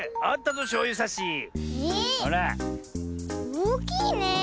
おおきいねえ。